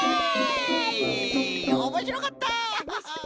おもしろかった！